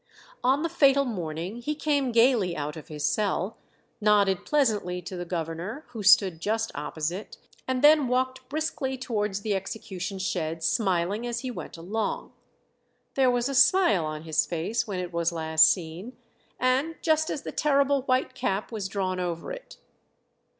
On the fatal morning he came gaily out of his cell, nodded pleasantly to the governor, who stood just opposite, and then walked briskly towards the execution shed, smiling as he went along. There was a smile on his face when it was last seen, and just as the terrible white cap was drawn over it.